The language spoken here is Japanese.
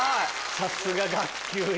さすが学級委員。